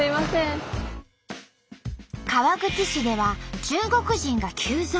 川口市では中国人が急増。